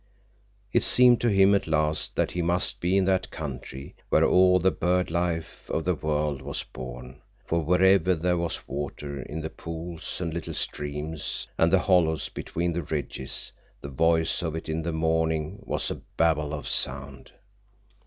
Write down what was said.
It seemed to him, at last, that he must be in that country where all the bird life of the world was born, for wherever there was water, in the pools and little streams and the hollows between the ridges, the voice of it in the morning was a babel of sound.